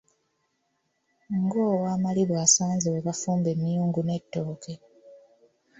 Ng'owamalibu asanze we bafumba emyungu n'ettooke.